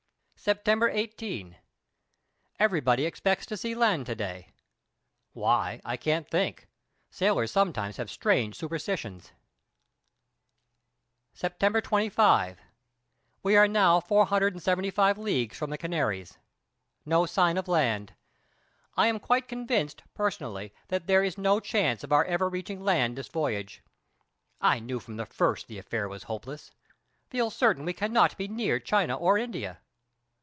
September 18. Everybody expects to see land to day. Why, I can't think. Sailors sometimes have strange superstitions. September 25. We are now 475 leagues from the Canaries. No sign of land. I am quite convinced personally that there is no chance of our ever reaching land this voyage. I knew from the first the affair was hopeless. Feel certain we cannot be near China or India.